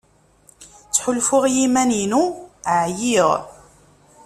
Ttḥulfuɣ i yiman-inu ɛyiɣ.